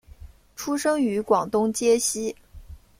出生于广东揭西。